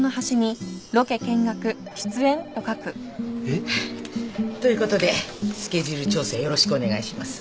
えっ！？ということでスケジュール調整よろしくお願いします。